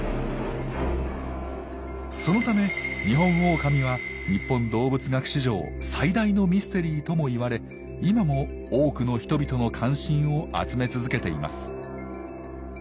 そのためニホンオオカミは日本動物学史上最大のミステリーともいわれ今も多くの人々の関心を集め続けています。